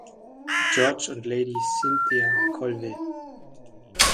George und Lady Cynthia Colville.